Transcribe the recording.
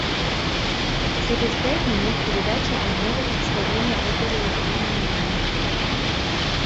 Через пять минут передача дневного представления оперы «Евгений Онегин»...